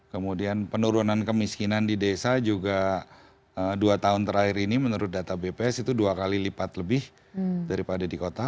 kemudian penurunan kemiskinan di desa juga dua tahun terakhir ini menurut data bps itu dua kali lipat lebih daripada di kota